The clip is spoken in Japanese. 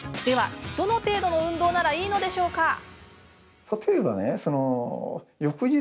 では、どれくらいの運動ならいいのでしょうか？